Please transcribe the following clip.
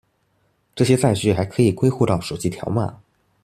這些載具還可以歸戶到手機條碼